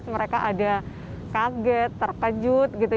mereka ada kaget terkejut